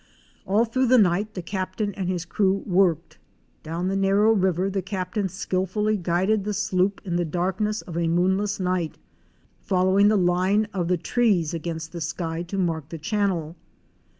All through the night the Captain and his crew worked. Down the narrow river the Captain skilfully guided the sloop in the darkness of a moon less night, following the line of the trees against the sky to mark the channel.